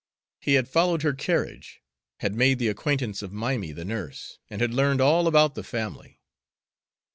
He had followed her carriage, had made the acquaintance of Mimy the nurse, and had learned all about the family.